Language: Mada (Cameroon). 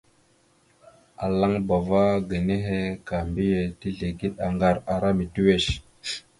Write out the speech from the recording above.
Alaŋbava ge nehe ka mbiyez tezligeɗ aŋgar ara mitiʉwesh.